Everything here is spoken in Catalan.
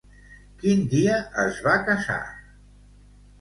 Quin dia es va casar?